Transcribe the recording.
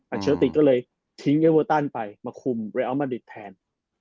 อัลเชอะติก็เลยทิ้งเอเวอตันไปมาคุมไรเอามาริสแทน